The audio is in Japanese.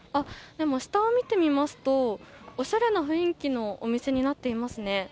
下を見てみますとおしゃれな雰囲気のお店になっていますね。